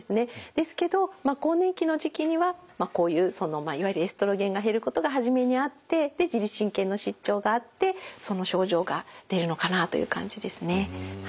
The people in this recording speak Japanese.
ですけどまあ更年期の時期にはこういういわゆるエストロゲンが減ることが初めにあって自律神経の失調があってその症状が出るのかなという感じですね。